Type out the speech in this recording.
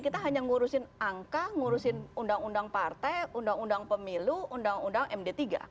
kita hanya ngurusin angka ngurusin undang undang partai undang undang pemilu undang undang md tiga